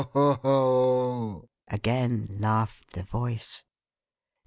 ho!" again laughed the voice.